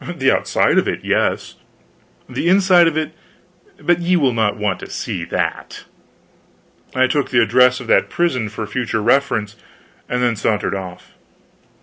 "The outside of it yes. The inside of it but ye will not want to see that." I took the address of that prison for future reference and then sauntered off.